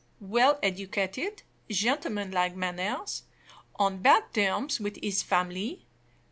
Well educated; gentleman like manners. On bad terms with his family.